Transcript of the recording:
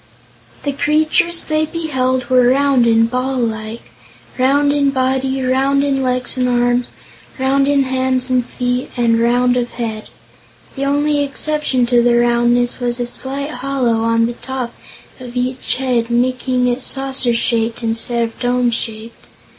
The creatures they beheld were round and ball like; round in body, round in legs and arms, round in hands and feet and round of head. The only exception to the roundness was a slight hollow on the top of each head, making it saucer shaped instead of dome shaped.